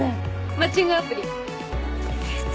マッチングアプリ。でた。